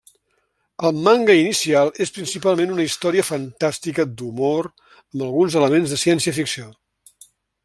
El manga inicial és principalment una història fantàstica d'humor, amb alguns elements de ciència-ficció.